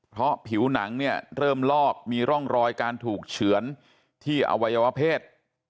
เพราะผิวหนังเนี่ยเริ่มลอกมีร่องรอยการถูกเฉือนที่อวัยวเพศ